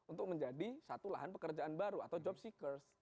untuk menjadi satu lahan pekerjaan baru atau job seakers